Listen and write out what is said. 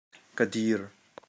Ka dir.